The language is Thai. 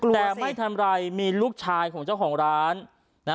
แต่ไม่ทันไรมีลูกชายของเจ้าของร้านนะ